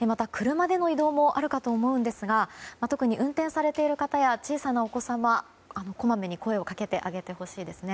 また、車での移動もあるかと思うんですが特に運転されている方や小さなお子様にはこまめに声をかけてあげてほしいです。